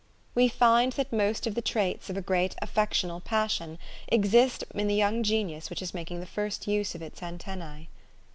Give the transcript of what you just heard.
We find that THE STORY OF AVIS. 65 most of the traits of a great affectional passion exist in the young genius which is making the first use of its antennae.